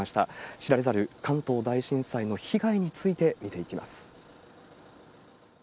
知られざる関東大震災の被害について、見ていきます。